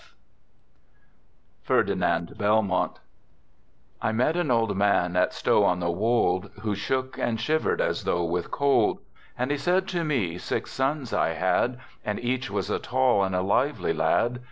Digitized by FERDINAND BELMONT I met an old man at Stow on thc Wold Who shook and shivered as though with cold. And he said to me: "Six sons I had, And each was a tall and a lively lad."